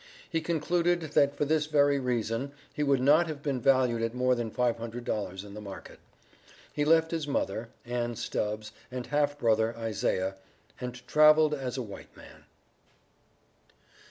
He concluded, that for this very reason, he would not have been valued at more than five hundred dollars in the market. He left his mother (Ann Stubbs, and half brother, Isaiah), and traveled as a white man.